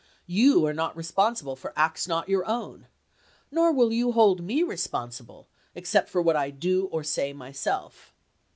You are not responsible for acts not your own ; nor will you hold me responsible, except for what I do or say myself.